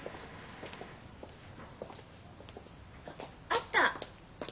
あった！